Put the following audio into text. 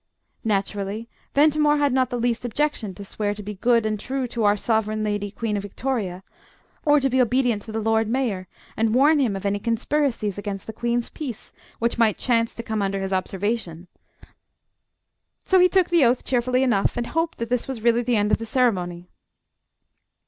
Naturally, Ventimore had not the least objection to swear to be good and true to our Sovereign Lady Queen Victoria, or to be obedient to the Lord Mayor, and warn him of any conspiracies against the Queen's peace which might chance to come under his observation; so he took the oath cheerfully enough, and hoped that this was really the end of the ceremony.